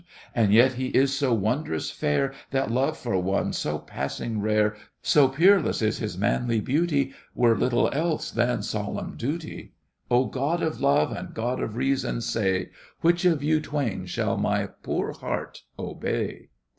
And yet he is so wondrous fair That love for one so passing rare, So peerless in his manly beauty, Were little else than solemn duty! Oh, god of love, and god of reason, say, Which of you twain shall my poor heart obey!